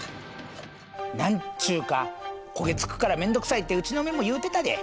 何ちゅか焦げつくから面倒くさいってうちの嫁も言うてたで。